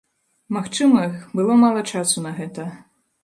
Магчыма, было мала часу на гэта.